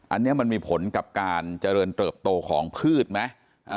อันนี้มันมีผลกับการเจริญเติบโตของพืชไหม